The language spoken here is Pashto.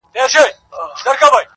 چا په ښار کي یو طبیب وو ورښودلی -